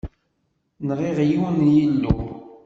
Nɣiɣ yiwen n yillu.